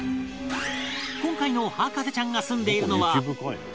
今回の博士ちゃんが住んでいるのは